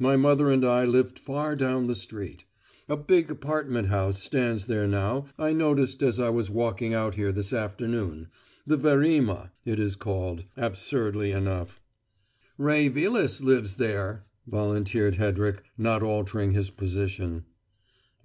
My mother and I lived far down the street. A big apartment house stands there now, I noticed as I was walking out here this afternoon the `Verema,' it is called, absurdly enough!" "Ray Vilas lives there," volunteered Hedrick, not altering his position.